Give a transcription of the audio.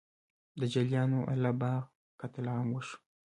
د جلیانواله باغ قتل عام وشو.